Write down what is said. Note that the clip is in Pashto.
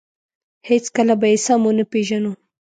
هېڅکله به یې سم ونه پېژنو.